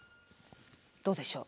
どうでしょう？